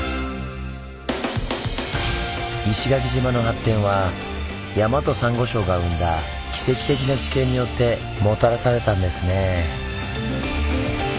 石垣島の発展は山とサンゴ礁が生んだ奇跡的な地形によってもたらされたんですねぇ。